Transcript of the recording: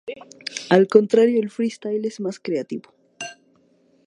Al contrario, el "freestyle" es más creativo.